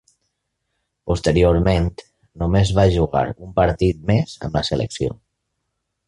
Posteriorment només va jugar un partit més amb la selecció.